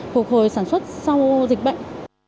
phục hồi sản xuất sau dịch bệnh